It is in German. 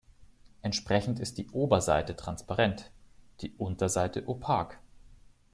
Entsprechend ist die Oberseite transparent, die Unterseite opak.